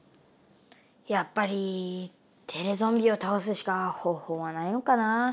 やっぱりテレゾンビをたおすしか方法はないのかな？